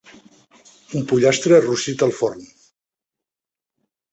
Un pollastre rostit al forn.